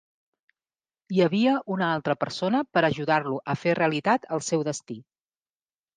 Hi havia una altra persona per ajudar-lo a fer realitat el seu destí.